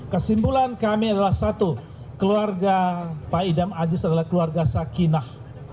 kesimpulan kami adalah satu keluarga pak idam aziz adalah keluarga sakinah